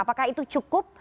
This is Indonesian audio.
apakah itu cukup